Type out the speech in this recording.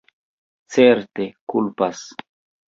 Certe, kulpas!